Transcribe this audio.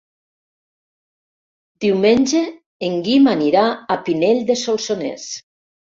Diumenge en Guim anirà a Pinell de Solsonès.